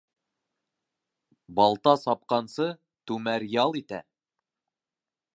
Балта сапҡансы, түмәр ял итә.